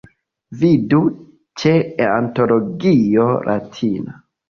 Vidu ĉe Antologio Latina.